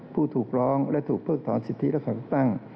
ผู้ถูกร้องและถูกเพิกถอนสิทธิและการเลือกตั้ง